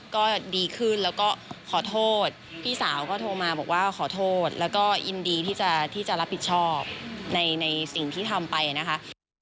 ก็ดีขึ้นแล้วก็ขอโทษพี่สาวก็โทรมาบอกว่าขอโทษแล้วก็ยินดีที่จะรับผิดชอบในสิ่งที่ทำไปนะคะ